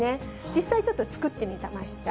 実際ちょっと作ってみました。